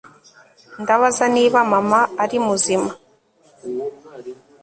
ndabaza niba mama ari muzima